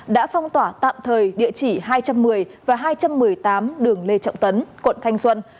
đã phong tỏa tạm thời địa chỉ hai trăm một mươi và hai trăm một mươi tám đường lê trọng tấn quận thanh xuân